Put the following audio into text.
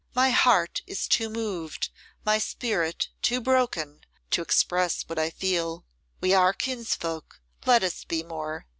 My heart is too moved, my spirit too broken, to express what I feel. We are kinsfolk; let us be more.